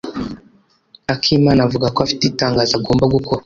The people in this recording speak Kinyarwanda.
Akimana avuga ko afite itangazo agomba gukora.